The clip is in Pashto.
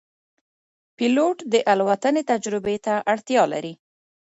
پیلوټ د الوتنې تجربې ته اړتیا لري.